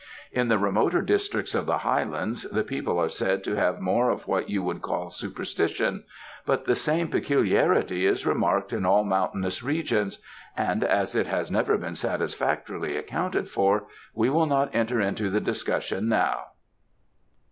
In the remoter districts of the Highlands, the people are said to have more of what you would call superstition; but the same peculiarity is remarked in all mountainous regions; and as it has never been satisfactorily accounted for, we will not enter into the discussion now."